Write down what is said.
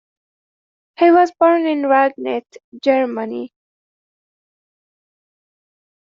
He was born in Ragnit, Germany.